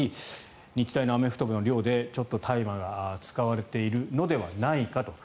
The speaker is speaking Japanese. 日大のアメフト部の寮で大麻が使われているのではないかと。